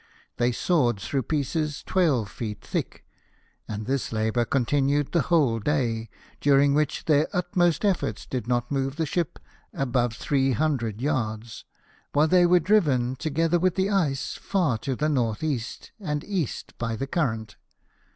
They sawed through pieces twelve feet thick ; and this labour continued the whole day, during which their utmost efforts did not move the ship above three hundred yards, while they were driven, together with the ice, far to the N.E. and E. by the current.